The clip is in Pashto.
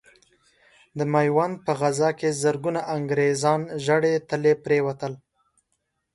د ميوند په غزا کې زرګونه انګرېزان ژړې تلې پرې وتل.